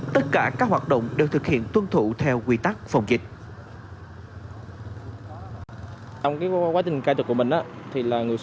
tất cả các hoạt động đều thực hiện tuân thủ theo quy tắc phòng dịch